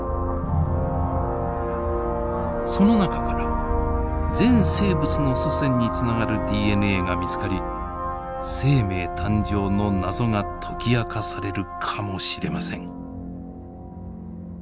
その中から全生物の祖先につながるＤＮＡが見つかり生命誕生の謎が解き明かされるかもしれません。